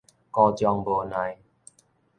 姑將無奈